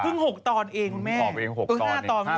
พึ่ง๖ตอนเองคุณแม่